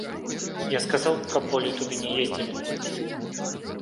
Я сказаў, каб болей туды не ездзілі.